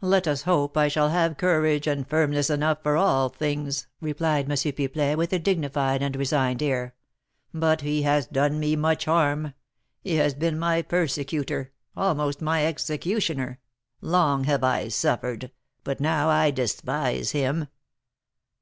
"Let us hope I shall have courage and firmness enough for all things," replied M. Pipelet, with a dignified and resigned air; "but he has done me much harm; he has been my persecutor, almost my executioner, long have I suffered, but now I despise him!